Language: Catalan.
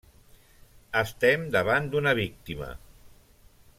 Estem davant d'una víctima.